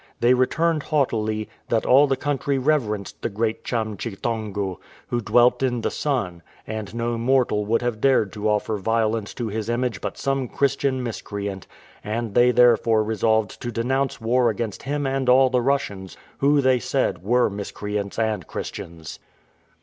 They returned haughtily, that all the country reverenced the great Cham Chi Thaungu, who dwelt in the sun, and no mortal would have dared to offer violence to his image but some Christian miscreant; and they therefore resolved to denounce war against him and all the Russians, who, they said, were miscreants and Christians.